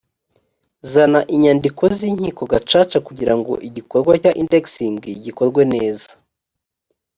zana inyandiko zinkiko gacaca kugira ngo igikorwa cya indexing gikorwe neza